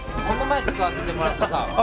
この前使わせてもらったさ